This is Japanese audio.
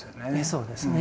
そうですね。